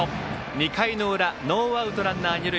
２回の裏ノーアウト、ランナー、二塁。